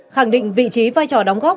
khẳng định vị trí vai trò đóng góp